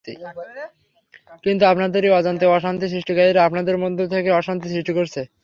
কিন্তু আপনাদেরই অজান্তে অশান্তি সৃষ্টিকারীরা আপনাদের মধ্য থেকে অশান্তি সৃষ্টি করছে।